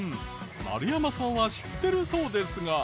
丸山さんは知ってるそうですが。